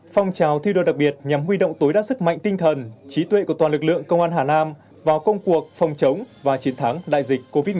phong trào thi đua đặc biệt nhằm huy động tối đa sức mạnh tinh thần trí tuệ của toàn lực lượng công an hà nam vào công cuộc phòng chống và chiến thắng đại dịch covid một mươi chín